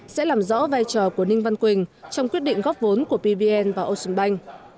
sẽ làm rõ vai trò của ninh văn quỳnh trong quyết định góp vốn của pvn và ocean bank